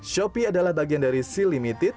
shopee adalah bagian dari si limited